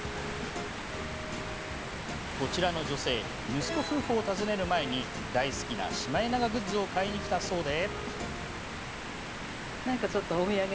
こちらの女性息子夫婦を訪ねる前に大好きなシマエナガグッズを買いに来たそうで。